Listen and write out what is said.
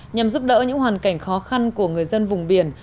nhằm giúp đỡ những hoàn cảnh khó khăn của người dân vùng biển